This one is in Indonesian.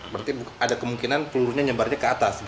berarti ada kemungkinan pelurunya nyebarnya ke atas